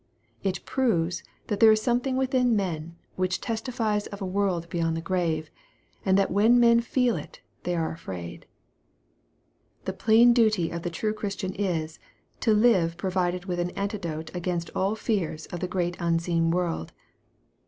It proves that there is something within men, which testifies of a world beyond the grave, and that when men feel it, they are afraid. The plain duty of the true Christian is, to live provided with an antidote against all fears of the great unseen world.